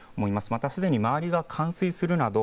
またすでに周りが冠水するなど、